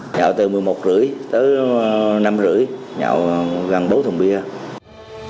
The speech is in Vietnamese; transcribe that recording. nhậu từ một mươi một h ba mươi tới năm h ba mươi nhậu gần bốn thùng bia